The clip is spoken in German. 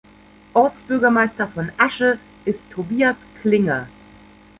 Ortsbürgermeister von Asche ist Tobias Klinge.